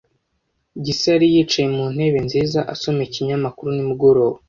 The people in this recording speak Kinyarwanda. Gisa yari yicaye mu ntebe nziza, asoma ikinyamakuru nimugoroba.